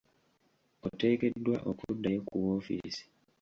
Oteekeddwa okuddayo ku woofiisi